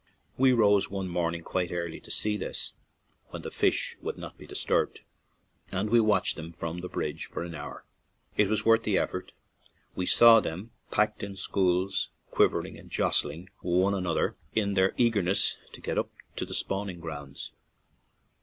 We rose one morning quite early to see this, when the fish would not be disturbed, and we watched them from the bridge for an hour. It was worth the 104 RECESS TO GALWAY effort ; we saw them packed in schools, quiv ering and jostling one another in their eager ness to get up to the spawning grounds.